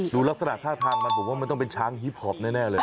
ดูลักษณะท่าทางมันผมว่ามันต้องเป็นช้างฮิปพอปแน่เลย